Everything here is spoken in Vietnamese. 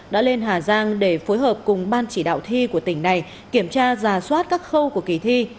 đã lên hà giang để phối hợp cùng ban chỉ đạo thi của tỉnh này kiểm tra giả soát các khâu của kỳ thi